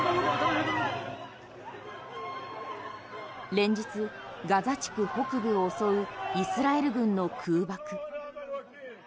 連日、ガザ地区北部を襲うイスラエル軍の空爆。